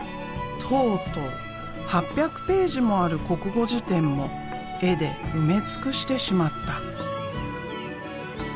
とうとう８００ページもある「国語辞典」も絵で埋め尽くしてしまった。